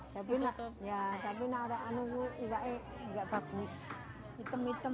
tapi kalau ikan itu tidak bagus hitam hitam